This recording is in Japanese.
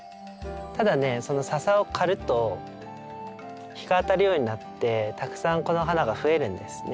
ただねそのササを刈ると日が当たるようになってたくさんこの花が増えるんですね。